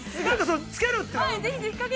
◆つけるというのは。